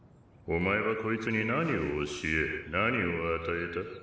お前はこいつに何を教え何を与えた？